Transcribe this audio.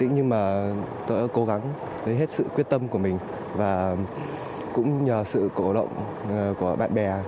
nhưng mà tôi đã cố gắng hết sự quyết tâm của mình và cũng nhờ sự cổ động của bạn bè